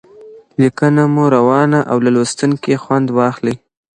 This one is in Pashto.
لیکنه مو روانه او له لوستونکي خوند واخلي.